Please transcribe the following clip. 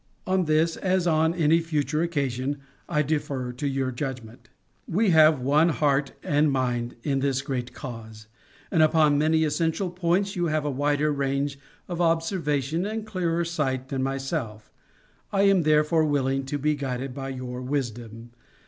On this, as on any future occasion, I defer to your judgment. We have one heart and mind in this great cause, and upon many essential points you have a wider range of observation and clearer sight than myself; I am therefore willing to be guided by your wisdom.